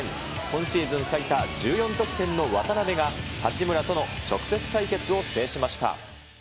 今シーズン最多１４得点の渡邊が、八村との直接対決を制しました。